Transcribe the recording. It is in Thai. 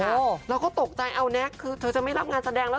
ตายตายเอาเน็กชาลีเดียวคือเธอจะไม่รับงานแสดงแล้ว